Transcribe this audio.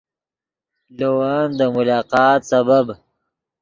لے ون دے ملاقات سبب